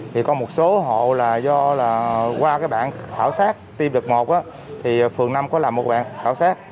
thì có một số hộ là do là qua cái bảng khảo sát tiêm đợt một á thì phường năm có làm một bảng khảo sát